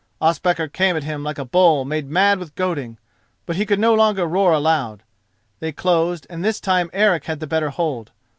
Ospakar came at him like a bull made mad with goading, but he could no longer roar aloud. They closed and this time Eric had the better hold.